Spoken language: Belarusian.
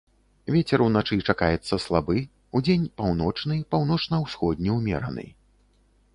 Вецер уначы чакаецца слабы, удзень паўночны, паўночна-ўсходні ўмераны.